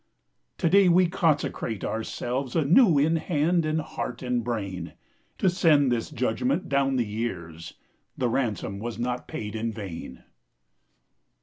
To day we consecrate ourselves Anew in hand and heart and brain, To send this judgment down the years: The ransom was not paid in vain.